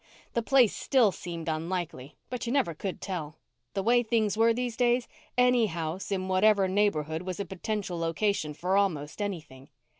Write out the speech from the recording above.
The place still seemed unlikely but you never could tell. The way things were these days, any house in whatever neighborhood was a potential location for almost anything.